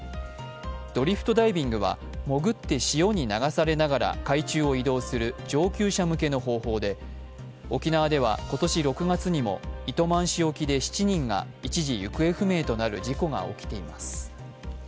ドリフトダイビングは潜って潮に流されながら海中を移動する上級者向けの方法で沖縄では今年６月にも糸満市沖で７人が一時、行方不明となる事故が起きています。